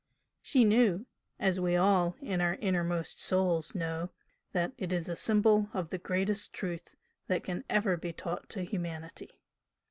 She knew, as we all in our innermost souls know, that it is a symbol of the greatest truth that can ever be taught to humanity.